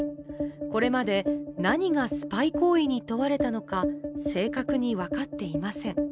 これまで何がスパイ行為に問われたのか正確に分かっていません。